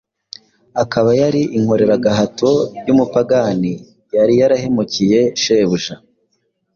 akaba yari inkoreragahato y’umupagani yari yarahemukiye shebuja